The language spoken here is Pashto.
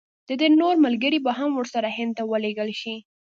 د ده نور ملګري به هم ورسره هند ته ولېږل شي.